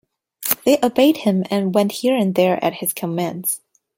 They obeyed him, and went here and there at his commands.